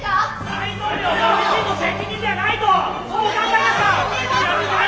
大統領ご自身の責任ではないとそうお考えですか？